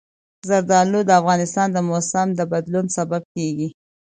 زردالو د افغانستان د موسم د بدلون سبب کېږي.